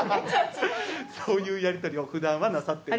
そういうやりとりを普段はなさってると？